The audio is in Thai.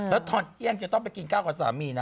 แล้วตอนเที่ยงจะต้องไปกินข้าวกับสามีนะ